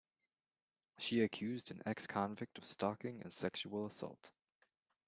She accused an ex-convict of stalking and sexual assault.